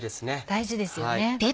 大事ですよね。